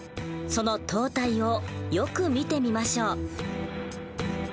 その塔体をよく見てみましょう。